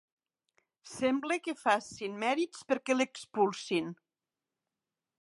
Sembla que faci mèrits perquè l'expulsin.